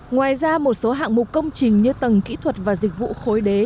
ngoài ra một số hạng mục công trình như tầng kỹ thuật và dịch vụ khối đế